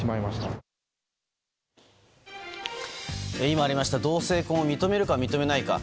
今ありました同性婚を認めるか認めないか。